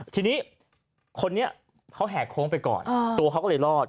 ทีนี้คนนี้เขาแหกโค้งไปก่อนตัวเขาก็เลยรอด